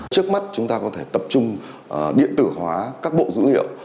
trước mắt chúng ta có thể tập trung điện tử hóa các bộ dữ liệu